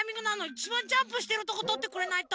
いちばんジャンプしてるとことってくれないと！